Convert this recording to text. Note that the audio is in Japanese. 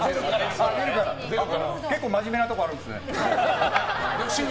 結構、真面目なところあるんですね。